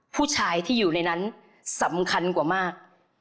ผู้ชายที่อยู่ในนั้นสำคัญกว่ามาก